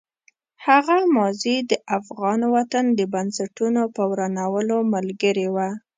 هغه ماضي د افغان وطن د بنسټونو په ورانولو ملګرې وه.